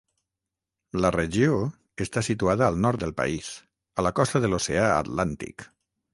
La regió està situada al nord del país, a la costa de l'oceà Atlàntic.